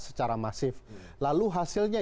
secara masif lalu hasilnya